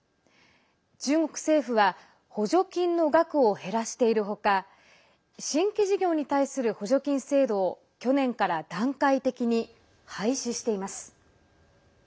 中国政府は補助金の額を減らしているほか新規事業に対する補助金制度を去年から段階的に廃止しています。